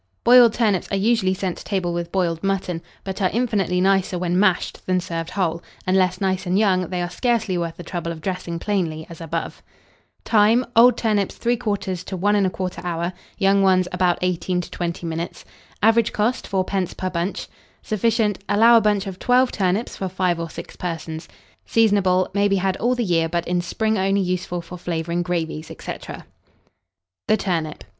Boiled turnips are usually sent to table with boiled mutton, but are infinitely nicer when mashed than served whole: unless nice and young, they are scarcely worth the trouble of dressing plainly as above. Time. Old turnips, 3/4 to 1 1/4 hour; young ones, about 18 to 20 minutes. Average cost, 4d. per bunch. Sufficient. Allow a bunch of 12 turnips for 5 or 6 persons. Seasonable. May be had all the year; but in spring only useful for flavouring gravies, &c. [Illustration: TURNIPS.] THE TURNIP.